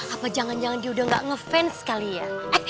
apa jangan jangan dia udah gak ngefans kali ya